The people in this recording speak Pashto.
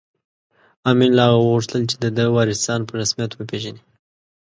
امیر له هغه وغوښتل چې د ده وارثان په رسمیت وپېژني.